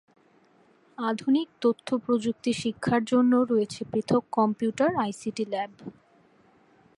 আধুনিক তথ্য প্রযুক্তি শিক্ষার জন্য রয়েছে পৃথক কম্পিউটার/আইসিটি ল্যাব।